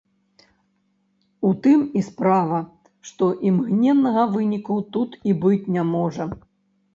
У тым і справа, што імгненнага выніку тут і быць не можа.